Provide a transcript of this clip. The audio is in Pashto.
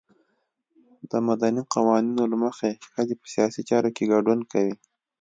د مدني قوانینو له مخې ښځې په سیاسي چارو کې ګډون کوي.